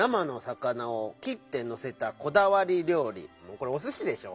これおすしでしょ？